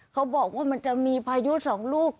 เขาบอกว่ามันจะมีพายุสองลูก